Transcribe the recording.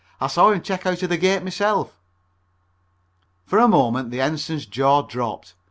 I saw him check out of the gate myself." For a moment the Ensign's jaw dropped.